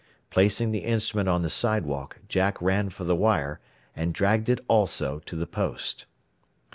Placing the instrument on the sidewalk, Jack ran for the wire, and dragged it also to the post.